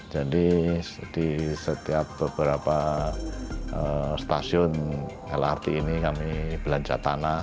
jadi di setiap beberapa stasiun lrt ini kami belanja tanah